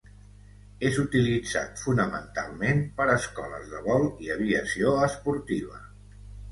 És utilitzat fonamentalment per escoles de vol i aviació esportiva.